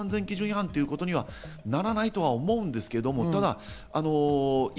だから簡単に安全基準違反ということにはならないとは思うんですけど。